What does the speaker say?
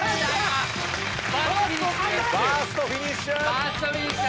バーストフィニッシュ！